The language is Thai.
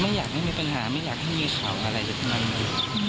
ไม่อยากให้มีปัญหาไม่อยากให้มีข่าวอะไรจะทำอะไรด้วย